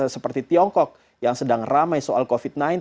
seperti tiongkok yang sedang ramai soal covid sembilan belas